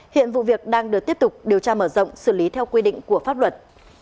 hiện vụ việc đang được tiếp tục điều tra mở rộng xử lý theo quy định của pháp luật